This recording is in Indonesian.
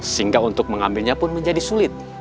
sehingga untuk mengambilnya pun menjadi sulit